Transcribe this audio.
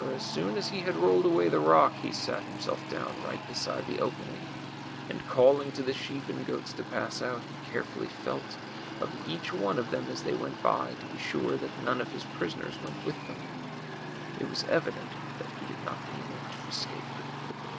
As soon as he had rolled aAvay the rock he sat himself down, right beside the opening, and calling to the sheep and goats to pass out, he . care fully felt of each one of them as they Avent by, to be sure that none of his prisoners Avent Avith them. It was eAudent that he did not mean them to escape.